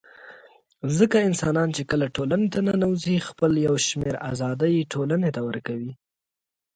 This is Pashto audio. ځکه انسانان چي کله ټولني ته ننوزي خپل يو شمېر آزادۍ ټولني ته ورکوي